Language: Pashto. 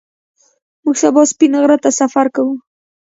موږ سبا سپین غره ته سفر کوو